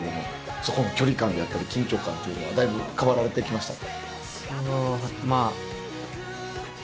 そこの距離感であったり緊張感というのはだいぶ変わられてきましたか？